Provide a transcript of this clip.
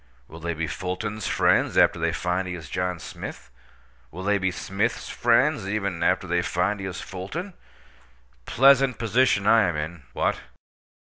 Will they be Fulton's friends, after they find he is John Smith? Will they be Smith's friends, even, after they find he is Fulton? Pleasant position I am in! What?